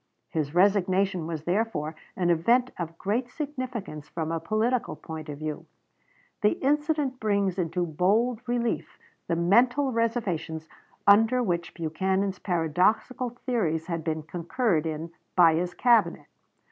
His resignation was, therefore, an event of great significance from a political point of view. The incident brings into bold relief the mental reservations under which Buchanan's paradoxical theories had been concurred in by his Cabinet.